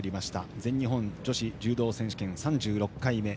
全日本女子柔道選手権３６回目。